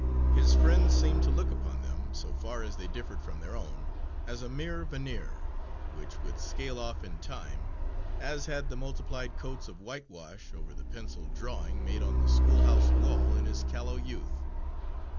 His friends seemed to look upon them, so far as they differed from their own, as a mere veneer, which would scale off in time, as had the multiplied coats of whitewash over the pencil drawing made on the school house wall in his callow youth.